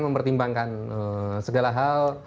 mempertimbangkan segala hal